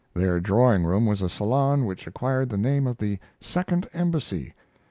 Their drawing room was a salon which acquired the name of the "Second Embassy."